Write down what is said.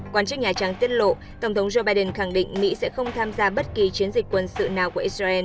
quan chức nhà trắng tiết lộ tổng thống joe biden khẳng định mỹ sẽ không tham gia bất kỳ chiến dịch quân sự nào của israel